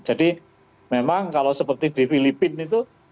jadi memang kalau seperti di filipina itu